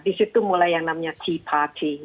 di situ mulai yang namanya key party